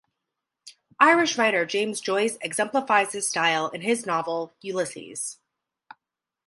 Irish writer James Joyce exemplifies this style in his novel "Ulysses".